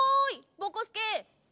ぼこすけ。